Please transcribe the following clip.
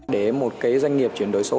để một cái doanh nghiệp chuyển đổi số